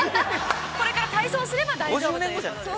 ◆これから体操すれば大丈夫ということですね。